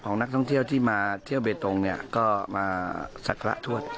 นักท่องเที่ยวที่มาเที่ยวเบตงเนี่ยก็มาสักระทวด